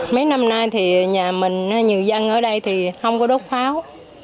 mấy năm nay thì nhà mình nhiều dân ở đây thì không có đốt pháo